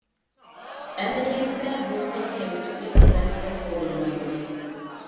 ئەمەلىيەتتە، بۇ خىل كەمتۈكلۈك مەسىلە تۇغدۇرمايدۇ.